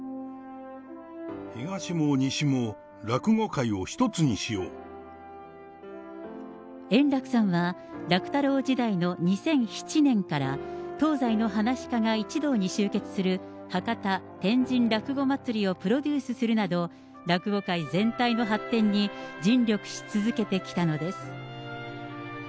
東も西も、円楽さんは、楽太郎時代の２００７年から、東西のはなし家が一堂に集結する博多・天神落語まつりをプロデュースするなど、落語界全体の発展に尽力し続けてきたのです。